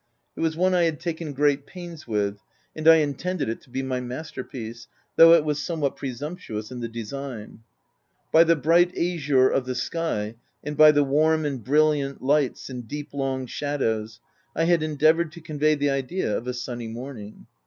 It was one I had taken great pains with, and I intended it to be my master piece, though it was somewhat presumptuous in the design. By the bright azure of the sky, and OF WILDFELL HALL. 333 by the warm and brilliant lights, and deep, long shadows, I had endeavoured to convey the idea of a sunny morning.